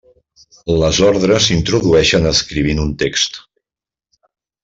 Les ordres s'introdueixen escrivint un text.